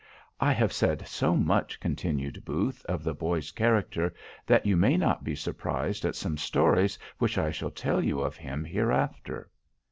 "I have said so much," continued Booth, "of the boy's character, that you may not be surprised at some stories which I shall tell you of him hereafter.